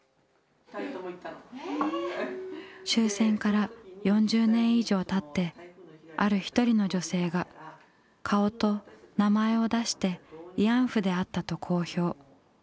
終戦から４０年以上たってある一人の女性が顔と名前を出して慰安婦であったと公表。